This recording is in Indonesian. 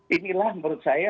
inilah menurut saya